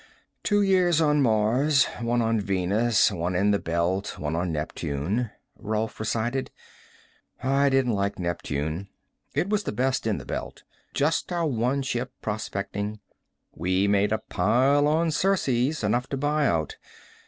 "Two years on Mars, one on Venus, one in the Belt, one on Neptune," Rolf recited. "I didn't like Neptune. It was best in the Belt; just our one ship, prospecting. We made a pile on Ceres enough to buy out.